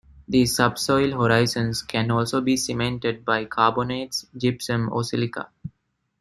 These subsoil horizons can also be cemented by carbonates, gypsum or silica.